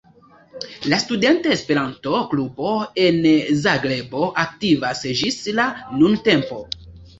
La Studenta Esperanto-Klubo en Zagrebo aktivas ĝis la nuntempo.